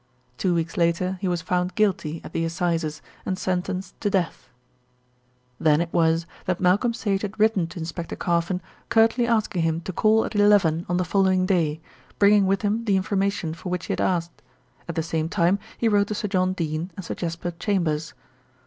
Two weeks later he was found guilty at the assizes and sentenced to death. Then it was that Malcolm Sage had written to Inspector Carfon curtly asking him to call at eleven on the following day, bringing with him the information for which he had asked. At the same time he wrote to Sir John Dene and Sir Jasper Chambers.